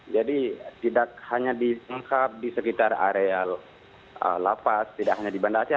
jadi tidak hanya ditangkap di sekitar area lapas tidak hanya di banda aceh